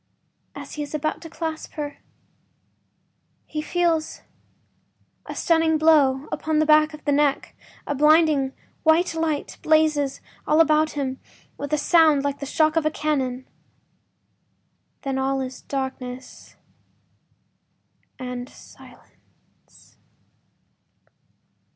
As he is about to clasp her he feels a stunning blow upon the back of the neck; a blinding white light blazes all about him with a sound like the shock of a cannon—then all is darkness and silence!